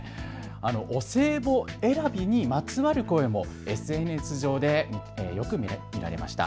お歳暮選びにまつわる声もＳＮＳ上でよく見られました。